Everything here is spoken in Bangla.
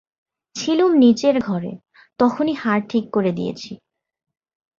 ছিলুম নিচের ঘরে, তখনই হাড় ঠিক করে দিয়েছি।